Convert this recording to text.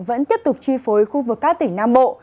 vẫn tiếp tục chi phối khu vực các tỉnh nam bộ